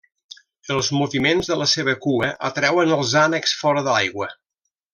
Els moviments de la seva cua atreuen els ànecs fora de l'aigua.